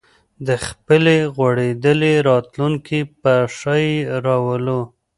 د خپلې غوړېدلې راتلونکې په ښه یې راولو